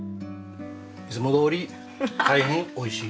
いつもどおり大変おいしい。